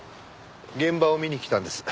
現場を見に来たんです。